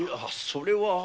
それは。